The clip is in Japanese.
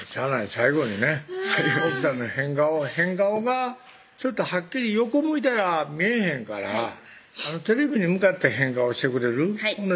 最後にね奥さんの変顔変顔がはっきり横向いたら見えへんからテレビに向かって変顔してくれる？